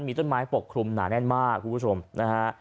มีต้นไม้ปกคลุมหนาแน่นมากคุณผู้ชมนะฮะ